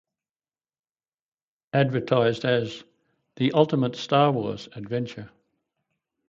Advertised as "The Ultimate "Star Wars" Adventure!